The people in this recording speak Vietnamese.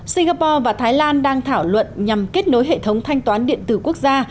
singapore và thái lan đang thảo luận nhằm kết nối hệ thống thanh toán điện tử quốc gia